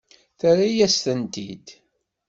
Terra-yas-tent-id.